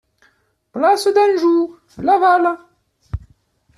Place d'Anjou, Laval